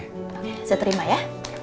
oke saya terima ya